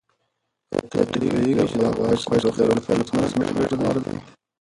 آیا ته پوهېږې چې د غوا کوچ د روغتیا لپاره څومره ګټور دی؟